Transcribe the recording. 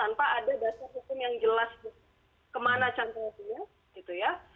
tanpa ada dasar hukum yang jelas kemana cantangnya